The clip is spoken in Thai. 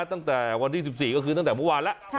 ตั้งแต่วันที่๑๔ก็คือตั้งแต่เมื่อวานแล้ว